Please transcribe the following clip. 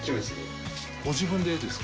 ご自分でですか？